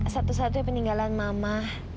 satu satunya peninggalan mama